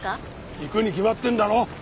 行くに決まってんだろ。